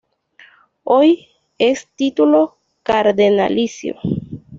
Hoy es título cardenalicio.